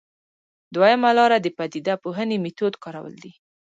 دویمه لاره د پدیده پوهنې میتود کارول دي.